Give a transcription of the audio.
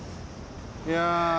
いや。